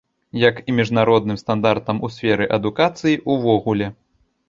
Як і міжнародным стандартам у сферы адукацыі ўвогуле.